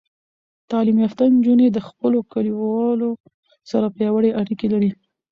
تعلیم یافته نجونې د خپلو کلیوالو سره پیاوړې اړیکې لري.